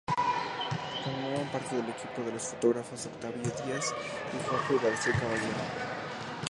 Formaban parte del equipo los fotógrafos Octaviano Díaz y Jorge García Caballero.